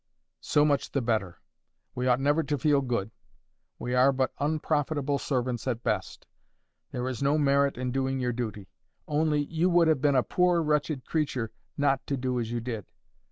"So much the better. We ought never to feel good. We are but unprofitable servants at best. There is no merit in doing your duty; only you would have been a poor wretched creature not to do as you did.